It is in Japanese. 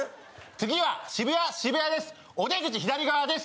次は渋谷渋谷です